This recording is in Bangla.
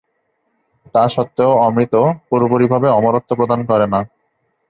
তা সত্ত্বেও অমৃত পুরোপুরিভাবে অমরত্ব প্রদান করে না।